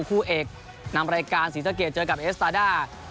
คู่เอกนำรายการศรีสะเกดเจอกับเอสตาด้า